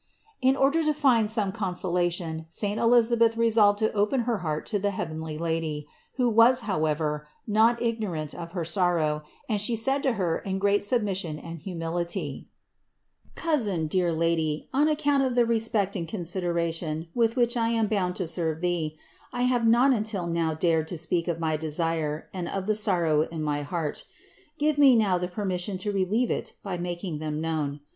262. In order to find some consolation, saint Elisa beth resolved to open her heart to the heavenly Lady, who was, however, not ignorant of her sorrow; and she said to Her in great submission and humility : "Cousin, dear Lady, on account of the respect and consideration, with which I am bound to serve Thee, I have not until now dared to speak of my desire and of the sorrow in my heart; give me now the permission to relieve it by making them known.